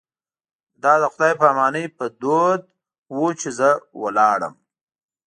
دا د خدای په امانۍ په دود و چې زه لاړم.